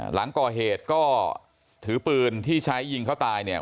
หลังก่อเหตุก็ถือปืนที่ใช้ยิงเขาตายเนี่ย